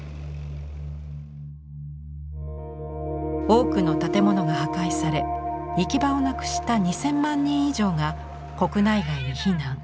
多くの建物が破壊され行き場をなくした２０００万人以上が国内外に避難。